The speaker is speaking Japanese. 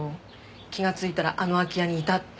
気がついたらあの空き家にいたって。